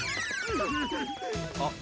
あっ。